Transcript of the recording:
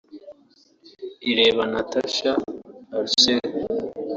Irebe Natacha Ursule